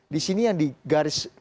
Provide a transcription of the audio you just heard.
disini yang di garis